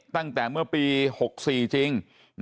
ตั้งแต่เมื่อปี๖๔จริง